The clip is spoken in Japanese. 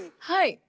はい。